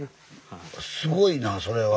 すごいなそれは。